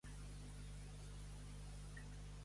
Donya Dolors va negar les lloances?